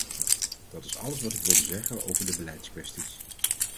Dat is alles wat ik wilde zeggen over de beleidskwesties.